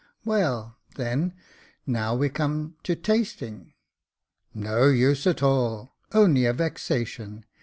" Well, then, now we come to tasting" " No use at all — only a vexation.